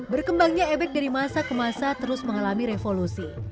berkembangnya ebek dari masa ke masa terus mengalami revolusi